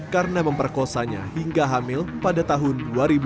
karena memperkosanya hingga hamil pada tahun dua ribu lima belas